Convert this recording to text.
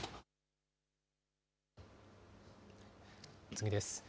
次です。